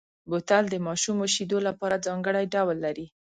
بوتل د ماشومو شیدو لپاره ځانګړی ډول لري.